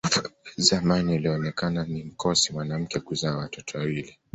Zamani ilionekana ni mkosi mwanamke kuzaa watoto wawili